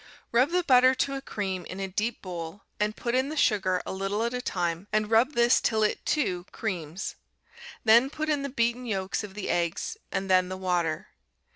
Rub the butter to a cream in a deep bowl, and put in the sugar a little at a time, and rub this till it, too, creams. Then put in the beaten yolks of the eggs, and then the water.